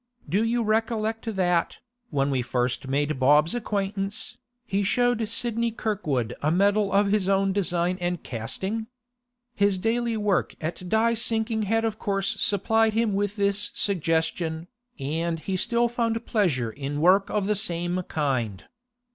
Do you recollect that, when we first made Bob's acquaintance, he showed Sidney Kirkwood a medal of his own design and casting? His daily work at die sinking had of course supplied him with this suggestion, and he still found pleasure in work of the same kind.